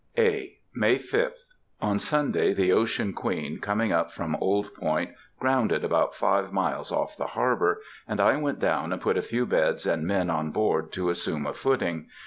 (A.) May 5th. On Sunday the Ocean Queen, coming up from Old Point, grounded about five miles off the harbor, and I went down and put a few beds and men on board to assume a footing.